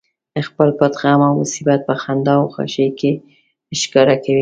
خپل پټ غم او مصیبت په خندا او خوښۍ کې ښکاره کوي